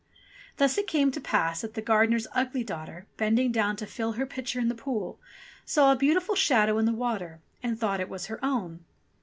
Thus it came to pass that the gardener's ugly daughter, bending down to fill her pitcher in the pool, saw a beautiful shadow in the water, and thought it was her own